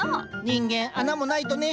人間穴もないとね。